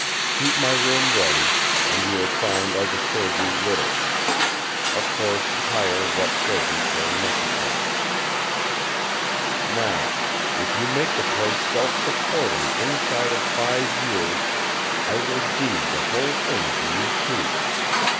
Keep my room ready, and you will find I disturb you little. Of course, hire what servants are necessary. "Now, if you make the place self supporting inside of five years, I will deed the whole thing to you two.